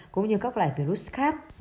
cũng như các loại virus khác